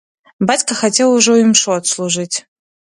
Бацька хацеў ужо імшу адслужыць.